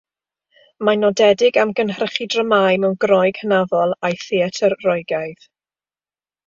Mae'n nodedig am gynhyrchu dramâu mewn Groeg Hynafol a'i Theatr Roegaidd.